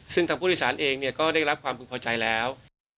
ซึ่งทางผู้โดยสารเองก็ได้รับความพึงพอใจแล้ว